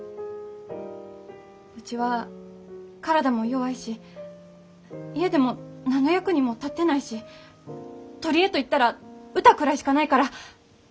うちは体も弱いし家でも何の役にも立ってないし取り柄と言ったら歌くらいしかないからだから。